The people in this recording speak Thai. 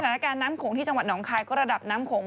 สถานการณ์น้ำขงที่จังหวัดหนองคลายก็ระดับน้ำขง